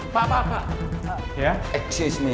pak pak pak